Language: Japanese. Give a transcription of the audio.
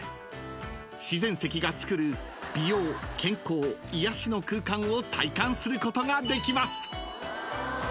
［自然石がつくる美容健康癒やしの空間を体感することができます］